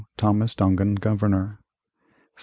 Thomas Dongan Governor 1686.